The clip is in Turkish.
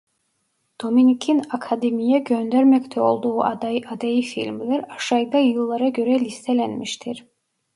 Dominik'in Akademi'ye göndermekte olduğu aday adayı filmler aşağıda yıllara göre listelenmiştir.